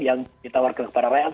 yang ditawarkan kepada rakyat